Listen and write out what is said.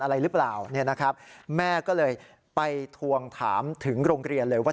อะไรหรือเปล่าเนี่ยนะครับแม่ก็เลยไปทวงถามถึงโรงเรียนเลยว่า